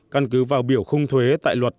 căn cứ vào biểu khung thuế tại luật